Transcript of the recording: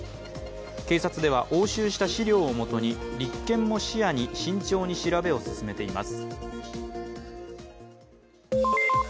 警察では押収した資料をもとに立件も視野に慎重に調べを進めています。